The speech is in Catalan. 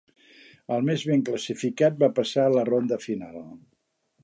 El més ben classificat va passar a la ronda final.